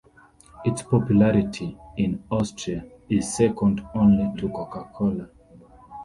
Its popularity in Austria is second only to Coca-Cola.